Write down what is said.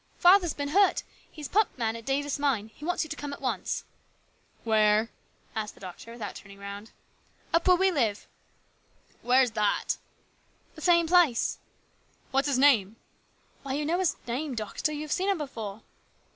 " Father's been hurt. He is pump man at Davis mine. He wants you to come at once." LARGE RESPONSIBILITIES. 51 " Where ?" asked the doctor without turning round. " Up where we live." " Where's that ?"" The same place." " What's his name ?" "Why, you know his name, doctor. You have seen him before."